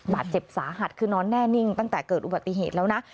บาดเจ็บสาหัสคือนอนแน่นิ่งตั้งแต่เกิดอุบัติเหตุแล้วนะ